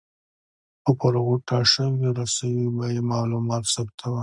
خو پر غوټه شویو رسیو به یې معلومات ثبتول.